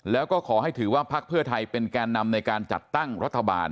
แล้วก็ขอให้ถือว่าพักเพื่อไทยเป็นแกนนำในการจัดตั้งรัฐบาล